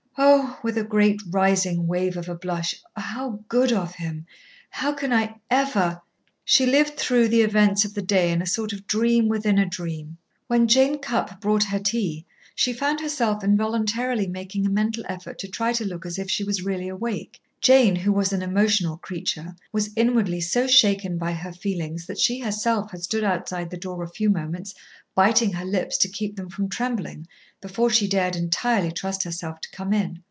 "Oh!" with a great rising wave of a blush, "how good of him! How can I ever " She lived through the events of the day in a sort of dream within a dream. When Jane Cupp brought her tea, she found herself involuntarily making a mental effort to try to look as if she was really awake. Jane, who was an emotional creature, was inwardly so shaken by her feelings that she herself had stood outside the door a few moments biting her lips to keep them from trembling, before she dared entirely trust herself to come in.